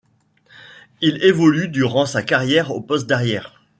Il évolue durant sa carrière aux postes d'arrière.